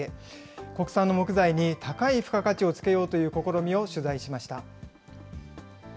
国産の木材に高い付加価値をつけようという試みを取材しました。